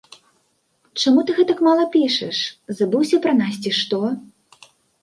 Чаму ты гэтак мала пішаш, забыўся пра нас, ці што?